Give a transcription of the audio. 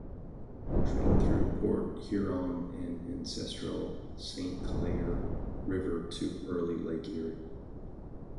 Drained through Port Huron and ancestral Saint Clair River to Early Lake Erie.